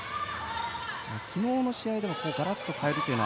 昨日の試合でもガラッと変えるというのは